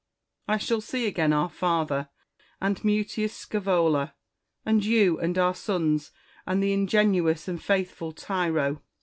I shall see again our father, and Mutius Scsevola, and you, and our sons, and the ingenuous and faithful Tyro.